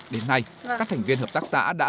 đến nay các thành viên hợp tác xã đã